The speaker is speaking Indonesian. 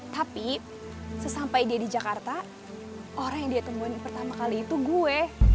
tapi sesampai dia di jakarta orang yang dia temuin pertama kali itu gue